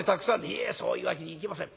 「いえそういうわけにいきません。